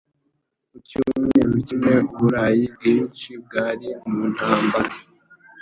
Mu cyumweru kimwe, Uburayi bwinshi bwari mu ntambara.